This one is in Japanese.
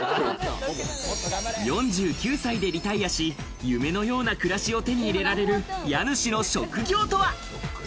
４９歳でリタイアし、夢のような暮らしを手に入れられる家主の職業とは？